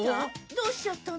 どうしちゃったの？